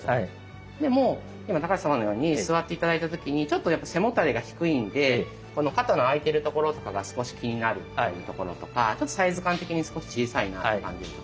でも今高橋様のように座って頂いた時にちょっとやっぱ背もたれが低いんでこの肩の空いてるところとかが少し気になるというところとかちょっとサイズ感的に少し小さいなって感じるとか。